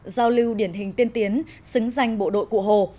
giao lưu điển hình tiên tiến xứng danh bộ đội cụ hồ